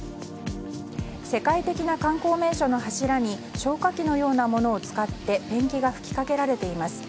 世界的な観光名所の柱に消火器のようなものを使ってペンキが吹きかけられています。